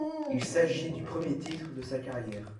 Il s'agit du premier titre de sa carrière.